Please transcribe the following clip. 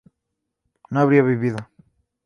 no habría vivido